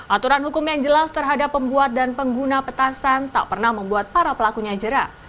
aturan hukum yang jelas terhadap pembuat dan pengguna petasan tak pernah membuat para pelakunya jerah